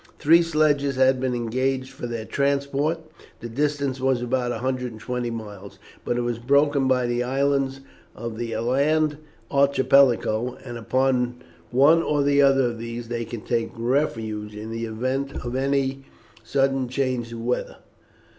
Three sledges had been engaged for their transport. The distance was about 120 miles; but it was broken by the islands of the Aland Archipelago, and upon one or other of these they could take refuge in the event of any sudden change of weather.